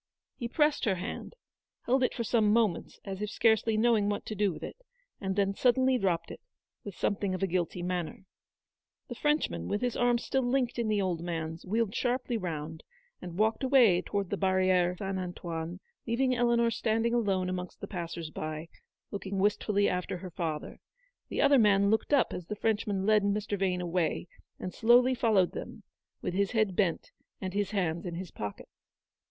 He pressed her hand, held it for a few moments, as if scarcely knowing what to do with it, and then suddenly dropped it, with something of a guilty manner. The Frenchman, with his arm still linked in the old man's, wheeled sharply round, and walked away towards the Barriere Saint Antoine, leaving Eleanor standing alone amongst the passers by, looking wistfully after her father. 92 Eleanor's victory. The other man looked up as the Frenchman led Mr. Vane away, and slowly followed them, with his head bent and his hands in his pockets.